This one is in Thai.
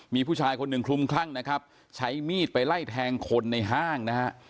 มีผู้ชายคนหนึ่งคลุมคลั่งนะครับใช้มีดไปไล่แทงคนในห้างนะฮะ